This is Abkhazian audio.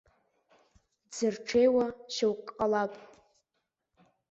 Дзырҽеиуа шьоук ҟалап.